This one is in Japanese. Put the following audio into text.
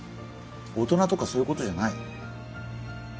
大人とかそういうことじゃない。